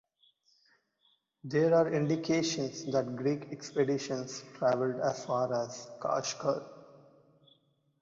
There are indications that Greek expeditions travelled as far as Kashgar.